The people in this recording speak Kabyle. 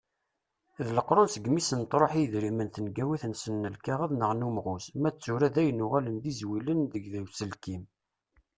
D leqrun segmi i sen-truḥ i yedrimen tengawit-nsen n lkaɣeḍ neɣ n umɣuz. Ma d tura dayen uɣalen d izwilen an deg uselkim.